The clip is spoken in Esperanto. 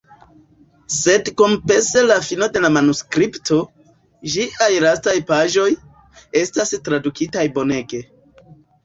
Sed kompense la fino de la manuskripto, ĝiaj lastaj paĝoj, estas tradukitaj bonege.